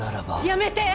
やめて！